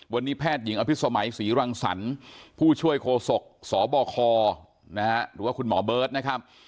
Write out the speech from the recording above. วันนี้แพทย์หญิงอภิษมัยศรีรังสรรค์ผู้ช่วยโคศกสบคหรือว่าคุณหมอเบิร์ตนะครับ